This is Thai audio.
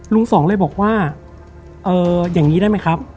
สองเลยบอกว่าอย่างนี้ได้ไหมครับ